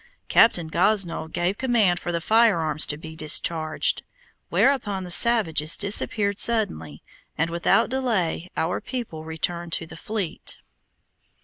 Captain Gosnold gave command for the firearms to be discharged, whereupon the savages disappeared suddenly, and without delay our people returned to the fleet.